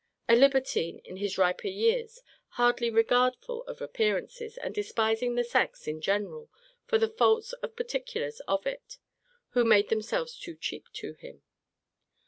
A libertine in his riper years, hardly regardful of appearances; and despising the sex in general, for the faults of particulars of it, who made themselves too cheap to him.